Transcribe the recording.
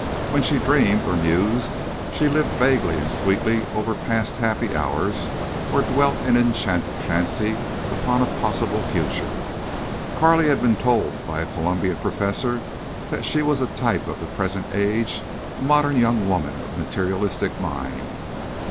When she dreamed or mused she lived vaguely and sweetly over past happy hours or dwelt in enchanted fancy upon a possible future. Carley had been told by a Columbia professor that she was a type of the present age—a modern young woman of materialistic mind.